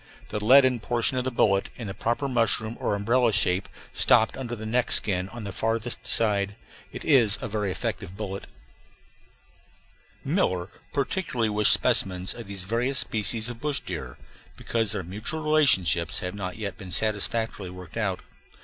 The leaden portion of the bullet, in the proper mushroom or umbrella shape, stopped under the neck skin on the farther side. It is a very effective bullet. Miller particularly wished specimens of these various species of bush deer, because their mutual relationships have not yet been satisfactorily worked out.